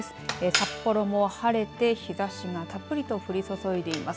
札幌も晴れて日ざしがたっぷりと降り注いでいます。